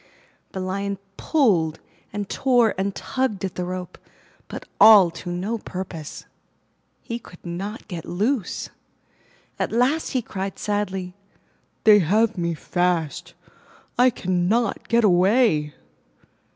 The Lion pulled and tore and tugged at the rope, but all to no purpose. He could not get loose. At last he cried sadly, 'They have me fast! I cannot get away!